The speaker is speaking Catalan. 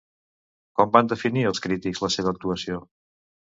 Com van definir, els crítics, la seva actuació?